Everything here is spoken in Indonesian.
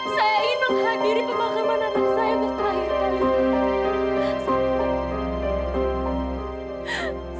saya ingin menghadiri pemakaman anak saya untuk terakhir kali